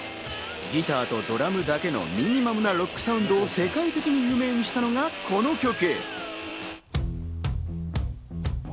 ギターとドラムだけのミニマムなロックサウンドを世界的に有名にしたのがこの曲。